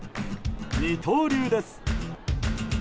二刀流です。